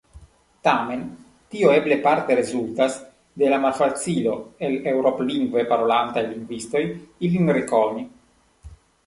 Tamen, tio eble parte rezultas de la malfacilo al Eŭrop-lingve parolantaj lingvistoj ilin rekoni.